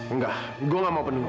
enggak gue gak mau penuhi